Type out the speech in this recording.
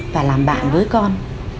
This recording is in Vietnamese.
và làm bạn với con